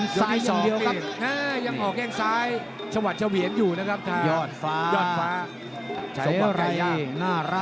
ไม่ได้เตะหลุดที่เปิดโอกาสให้คู่ต่อสู้เลยนะ